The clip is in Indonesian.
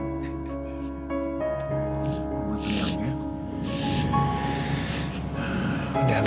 mama tenang ya